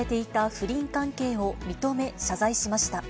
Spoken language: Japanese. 不倫関係を認め、謝罪しました。